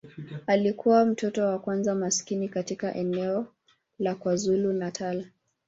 Alikuwa mtoto wa wazazi maskini katika eneo la KwaZulu-Natal.